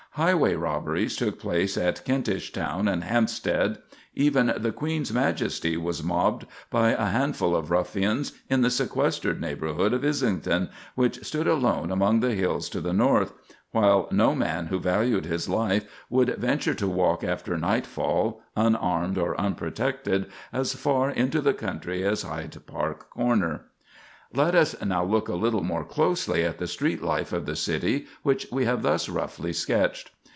Highway robberies took place at Kentish Town and Hampstead; even the Queen's Majesty was mobbed by a handful of ruffians in the sequestered neighborhood of Islington, which stood alone among the hills to the north; while no man who valued his life would venture to walk after nightfall, unarmed or unprotected, as far into the country as Hyde Park Corner. Let us now look a little more closely at the street life of the city which we have thus roughly sketched.